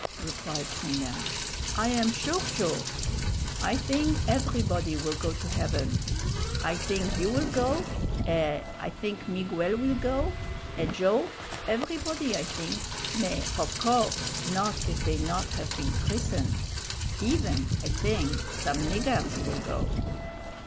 replied St. Ange; "I am sure sure. I thing everybody will go to heaven. I thing you will go, et I thing Miguel will go, et Joe everybody, I thing mais, hof course, not if they not have been christen'. Even I thing some niggers will go."